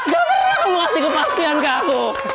gak pernah kamu kasih kepastian ke aku